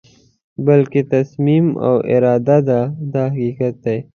بلکې تصمیم او اراده ده دا حقیقت دی.